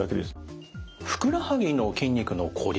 ふくらはぎの筋肉のこり